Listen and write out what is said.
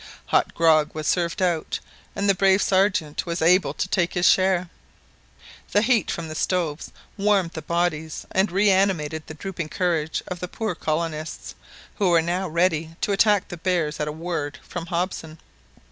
Hot grog was served out, and the brave Sergeant was able to take his share. The heat from the stoves warmed the bodies and reanimated the drooping courage of the poor colonists, who were now ready to attack the bears at a word from Hobson.